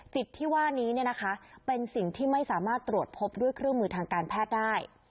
ที่ว่านี้เป็นสิ่งที่ไม่สามารถตรวจพบด้วยเครื่องมือทางการแพทย์ได้